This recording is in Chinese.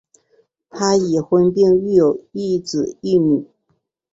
他已婚并育有一子一女。